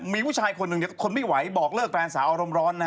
มีผู้ชายคนหนึ่งทนไม่ไหวบอกเลิกแฟนสาวอารมณ์ร้อนนะ